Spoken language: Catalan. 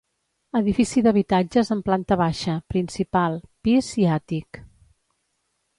Edifici d'habitatges amb planta baixa, principal, pis i àtic.